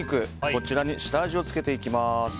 こちらに下味をつけていきます。